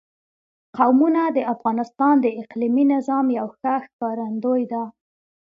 قومونه د افغانستان د اقلیمي نظام یوه ښه ښکارندوی ده.